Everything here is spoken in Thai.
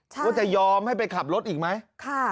ว่าจะยอมให้ไปขับรถอีกไหม